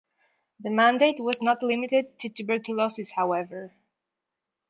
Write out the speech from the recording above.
The mandate was not limited to tuberculosis, however.